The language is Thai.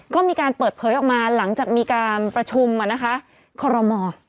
ก็มีการเปิดเผยออกมาหลังจากมีการประชุมคอรมอ